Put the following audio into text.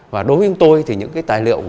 và đối với tôi thì những tài liệu